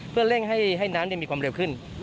เพื่อเร่งให้น้ำมีความเร็วขึ้น